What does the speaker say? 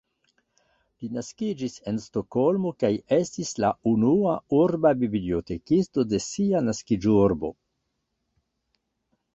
Li naskiĝis en Stokholmo kaj estis la unua urba bibliotekisto de sia naskiĝurbo.